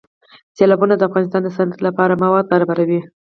سیلابونه د افغانستان د صنعت لپاره مواد برابروي.